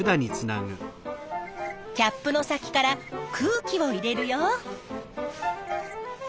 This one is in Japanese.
キャップの先から空気を入れるよ。